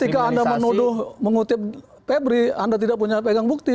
ketika anda menuduh mengutip pebri anda tidak punya pegang bukti